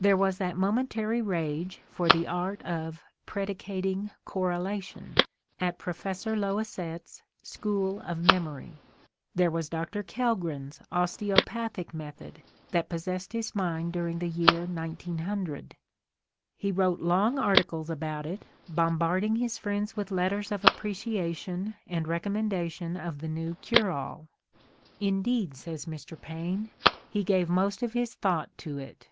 There was that momentary rage for the art of "predi cating correlation" at Professor Loisette's School of Memory. There was Dr. Kellgren's osteopathic method that possessed his mind during the year 1900 ; he wrote long articles about it, bombarding his friends with let ters of appreciation and recommendation of the new cure all: "indeed," says Mr. Paine, "he gave most of Mark Twain's Despair ii his thought to it."